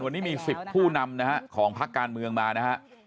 วันนี้มี๑๐ผู้นำนะฮะของพักการเมืองมานะฮะ